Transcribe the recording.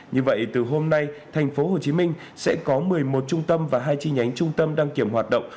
như vậy từ hôm nay tp hcm sẽ có một mươi một trung tâm và hai chi nhánh trung tâm đăng kiểm hoạt động